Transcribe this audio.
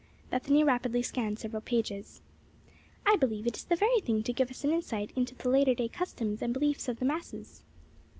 '" Bethany rapidly scanned several pages. "I believe it is the very thing to give us an insight into the later day customs and beliefs of the masses."